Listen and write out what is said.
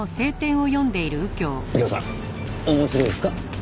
右京さん面白いですか？